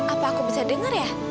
apa aku bisa dengar ya